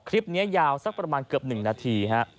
คลิปนี้ยาวสักประมาณเกือบ๑นาทีฮะ